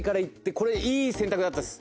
これ、いい選択だったんです。